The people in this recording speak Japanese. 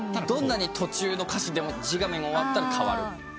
どんなに途中の歌詞でも一画面終わったらかわる。